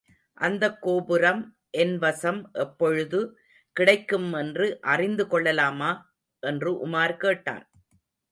அந்தக் கோபுரம் என்வசம் எப்பொழுது கிடைக்குமென்று அறிந்து கொள்ளலாமா? என்று உமார் கேட்டான்.